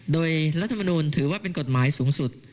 โดยรัฐมนูลถือว่าเป็นกฎหมายสูงสุด